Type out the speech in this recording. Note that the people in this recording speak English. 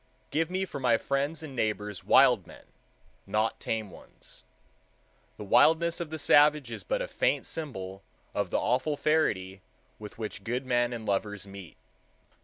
Give me for my friends and neighbors wild men, not tame ones. The wildness of the savage is but a faint symbol of the awful ferity with which good men and lovers meet.